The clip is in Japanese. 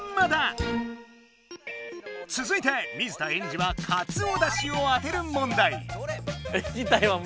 つづいて水田エンジはかつおだしを当てる問題。